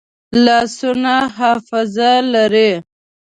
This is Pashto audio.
لاسونه حافظه لري